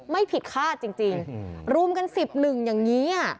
ไม่ผิดคาดจริงรุมกันสิบหนึ่งอย่างนี้